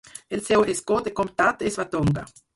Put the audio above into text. El seu escó de comtat és Watonga.